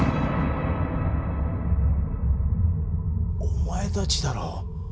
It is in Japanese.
お前たちだろ？